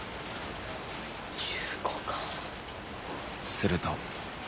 すると。